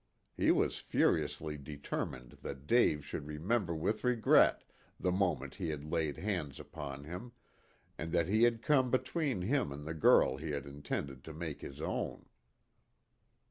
He was furiously determined that Dave should remember with regret the moment he had laid hands upon him, and that he had come between him and the girl he had intended to make his own.